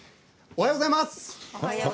おはようございます。